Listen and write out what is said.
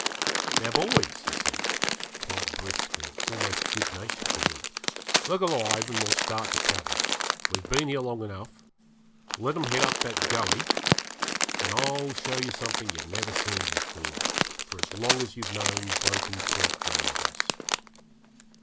'Now, boys,' he said, quite brisk and almost good natured for him, 'look alive and we'll start the cattle; we've been long enough here; let 'em head up that gully, and I'll show you something you've never seen before for as long as you've known Broken Creek Ranges.'